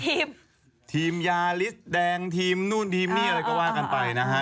ทีมทีมยาลิสต์แดงทีมนู่นทีมนี่อะไรก็ว่ากันไปนะฮะ